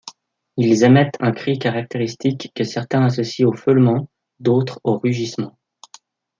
Ils émettent un cri caractéristique que certains associent au feulement, d'autres au rugissement.